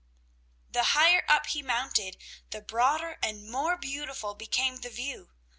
The higher up he mounted, the broader and more beautiful became the view.